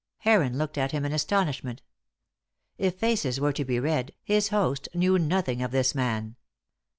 Heron looked at him in astonishment. If faces were to be read, his host knew nothing of this man.